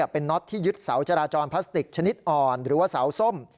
เป็นน็อตที่ยึดเสาจราจรพลาสติกชนิดอ่อนหรือว่าเสาส้ม